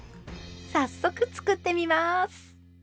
早速作ってみます。